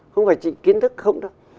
không phải chỉ kiến thức không đâu